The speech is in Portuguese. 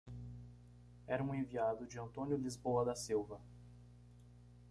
Era um enviado de Antônio Lisboa da Silva.